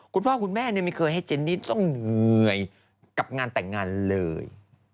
คุณพ่อคุณแม่ไม่เคยให้เจนนี่ต้องเหนื่อยกับงานแต่งงานเลย